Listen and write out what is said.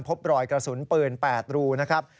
พบรอยกระสุนปืน๘รูนะครับ